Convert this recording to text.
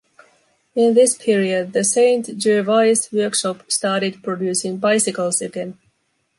In this period, the Saint Gervais workshop started producing bicycles again.